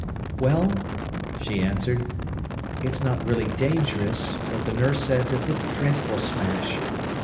"Well," she answered, "it's not really dangerous, but the nurse says it's a dreadful smash.